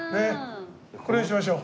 これにしましょう。